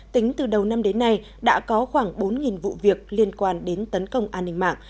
tính từ đầu năm đến nay đã có khoảng bốn vụ việc liên quan đến tấn công an ninh mạng